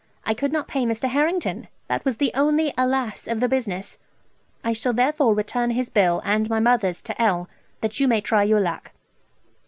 I could not pay Mr. Harrington! That was the only alas! of the business. I shall therefore return his bill, and my mother's 2_l_., that you may try your luck.